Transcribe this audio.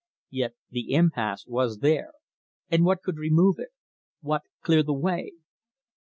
Yet the impasse was there, and what could remove it what clear the way?